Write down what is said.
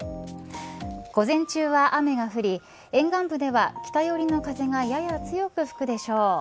午前中は雨が降り、沿岸部では北寄りの風がやや強く吹くでしょう。